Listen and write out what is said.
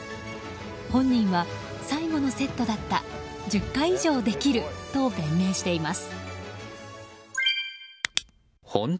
本人は、最後のセットだった１０回以上できると弁明しています。